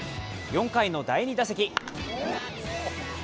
４回の第二打席。